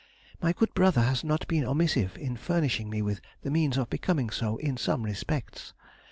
My good brother has not been omissive in furnishing me with the means of becoming so in some respects.